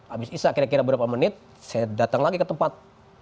abis isya kira kira berapa menit saya dateng lagi ke tempat